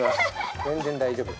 全然大丈夫。